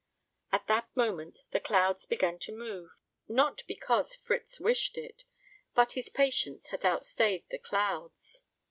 At that moment the clouds began to move not because Fritz wished it, but his patience had outstayed the clouds.